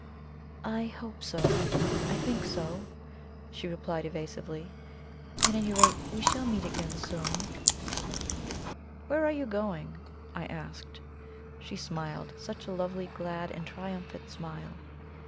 "I hope so I think so," she replied evasively; "at any rate, we shall meet again soon." "Where are you going?" I asked. She smiled. Such a lovely, glad, and triumphant smile!